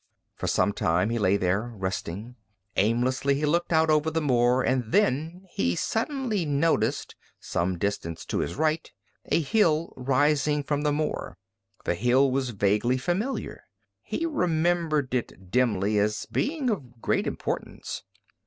For some time he lay there, resting. Aimlessly he looked out over the moor, and then he suddenly noted, some distance to his right, a hill rising from the moor. The hill was vaguely familiar. He remembered it dimly as being of great importance.